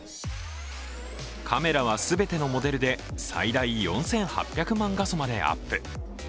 カメラは全てのモデルで最大４８００万画素までアップ。